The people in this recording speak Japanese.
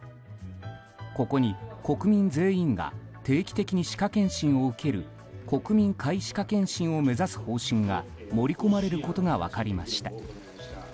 ここに国民全員が定期的に歯科検診を受ける国民皆歯科検診を目指す方針が盛り込まれることが分かりました。